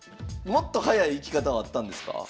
もっと早い行き方はあったんですか？